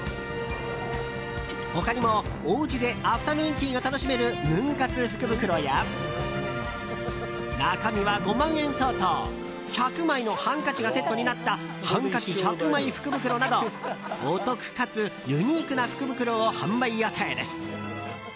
他にも、おうちでアフタヌーンティーが楽しめるヌン活福袋や中身は５万円相当１００枚のハンカチがセットになったハンカチ１００枚福袋などお得かつユニークな福袋を販売予定です。